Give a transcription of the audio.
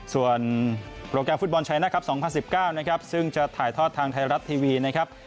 ส่วนโปรแกรมฟุตบอลชายนะครับ๒๐๑๙นะครับซึ่งจะถ่ายทอดทางไทยรัฐทีวีนะครับ